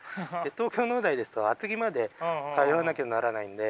東京農大ですと厚木まで通わなきゃならないんで。